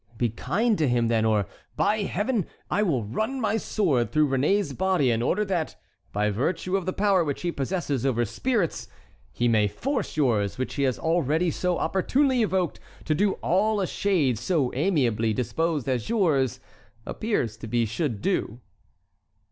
Be kind to him, then; or, by Heaven! I will run my sword through Réné's body in order that, by virtue of the power which he possesses over spirits, he may force yours, which he has already so opportunely evoked, to do all a shade so amiably disposed as yours appears to be should do."